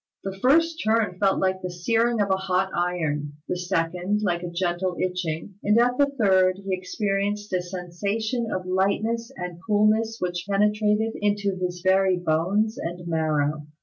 The first turn felt like the searing of a hot iron; the second like a gentle itching; and at the third he experienced a sensation of lightness and coolness which penetrated into his very bones and marrow.